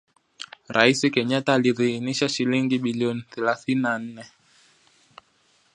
Rais Kenyatta aliidhinisha shilingi bilioni thelathini na nne